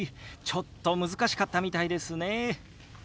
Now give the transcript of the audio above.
ちょっと難しかったみたいですね。